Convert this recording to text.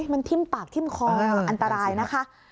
มันทิ้มปากทิ้มคออันตรายนะคะ